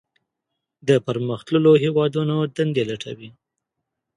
د پرمختللو هیوادونو دندې لټوي.